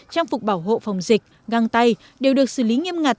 trang phục bảo hộ phòng dịch găng tay đều được xử lý nghiêm ngặt